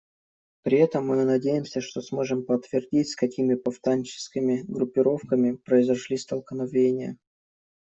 При этом мы надеемся, что сможем подтвердить, с какими повстанческими группировками произошли столкновения.